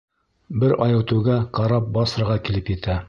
Бер ай үтеүгә карап Басраға килеп етә.